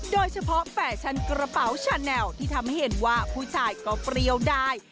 แฟชั่นกระเป๋าชาแนลที่ทำให้เห็นว่าผู้ชายก็เปรี้ยวได้